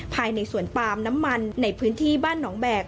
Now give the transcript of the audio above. ภายในสวนปาล์มน้ำมันในพื้นที่บ้านหนองแบก